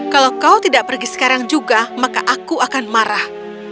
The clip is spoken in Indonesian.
kalau kau tidak pergi sekarang juga maka aku akan marah